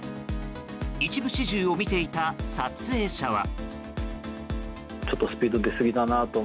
一部始終を見ていた撮影者は。